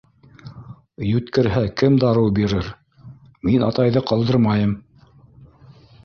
Йүткерһә, кем дарыу бирер? Мин атайҙы ҡалдырмайым.